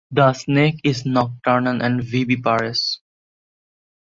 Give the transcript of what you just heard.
The snake is nocturnal and viviparous.